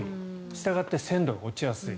したがって鮮度が落ちやすい。